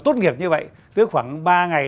tốt nghiệp như vậy khoảng ba ngày